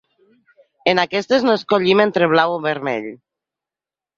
En aquestes no escollim entre blau o vermell.